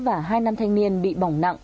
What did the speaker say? và hai năm thanh niên bị bỏng nặng